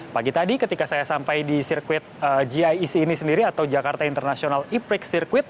pagi tadi ketika saya sampai di sirkuit giec ini sendiri atau jakarta international e prix circuit